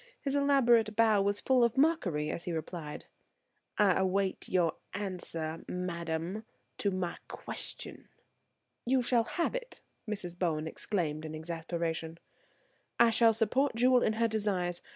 His elaborate bow was full of mockery as he replied: "I await your answer, madam, to my question." "You shall have it," Mrs. Bowen exclaimed in exasperation. "I shall support Jewel in her desires.